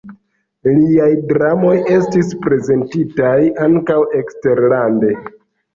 Liaj dramoj estis prezentitaj ankaŭ eksterlande.